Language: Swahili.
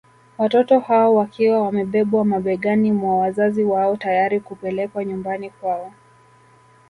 Watoto hao wakiwa wamebebwa mabegani mwa wazazi wao tayari kupelekwa nyumbani kwao